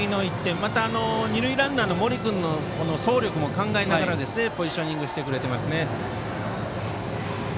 二塁ランナーの森君の走力も考えながらポジショニングしていますね。